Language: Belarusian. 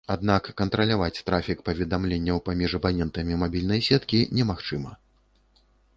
Аднак кантраляваць трафік паведамленняў паміж абанентамі мабільнай сеткі немагчыма.